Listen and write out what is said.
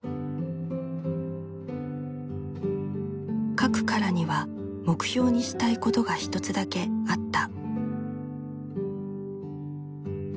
書くからには目標にしたいことが一つだけあった。